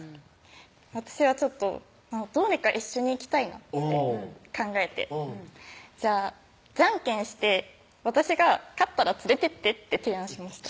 私はちょっとどうにか一緒に行きたいなって考えて「じゃあじゃんけんして私が勝ったら連れてって」って提案しました